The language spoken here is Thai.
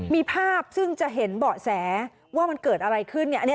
มีภาพซึ่งจะเห็นเบาะแสว่ามันเกิดอะไรขึ้น